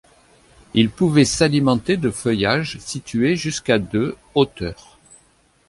Il pouvait s'alimenter de feuillages situés jusqu'à de hauteur.